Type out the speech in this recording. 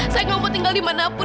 saya nggak mau tinggal dimanapun